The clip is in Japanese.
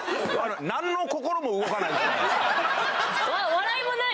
笑いもない？